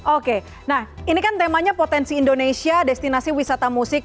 oke nah ini kan temanya potensi indonesia destinasi wisata musik